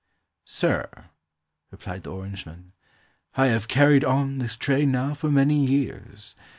"Sir," replied the orangeman, "I have carried on this trade now for many years.